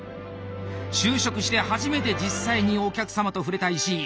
就職して初めて実際にお客様と触れた石井。